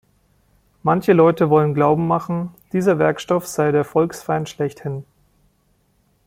Manche Leute wollen glauben machen, dieser Werkstoff sei der Volksfeind schlechthin.